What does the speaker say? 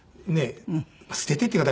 捨ててっていう言い方